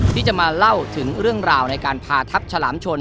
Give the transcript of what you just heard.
ที่จะมาเล่าถึงเรื่องราวในการพาทัพฉลามชน